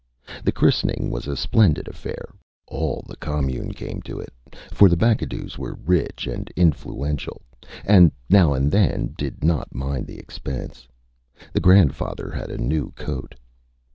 The christening was a splendid affair. All the commune came to it, for the Bacadous were rich and influential, and, now and then, did not mind the expense. The grandfather had a new coat.